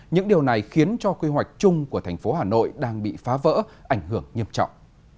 những điều này khiến cho quy hoạch chung của thành phố hà nội đang bị phá vỡ ảnh hưởng nghiêm trọng